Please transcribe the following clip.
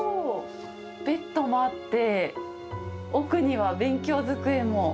ベッドもあって、奥には勉強机も。